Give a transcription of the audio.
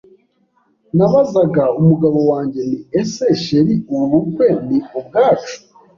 Nabazaga umugabo wanjye nti ese chr ubu bukwe ni ubwacu?